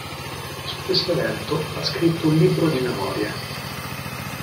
Su questo evento ha scritto un libro di memorie.